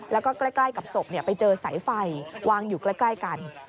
แล้วก็ใกล้กับศพไปเจอสายไฟวางอยู่ใกล้กัน